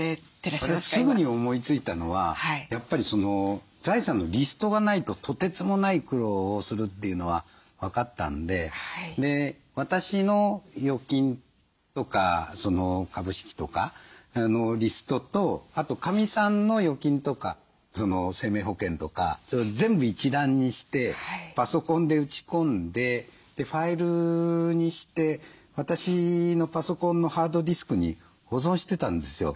私すぐに思いついたのはやっぱり財産のリストがないととてつもない苦労をするっていうのは分かったんで私の預金とか株式とかのリストとあとかみさんの預金とか生命保険とか全部一覧にしてパソコンで打ち込んでファイルにして私のパソコンのハードディスクに保存してたんですよ。